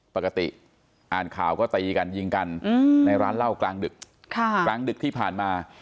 ปกติอ่านข่าวก็ตีกันยิงกันในร้านเหล้ากลางดึกกลางดึกที่ผ่านมา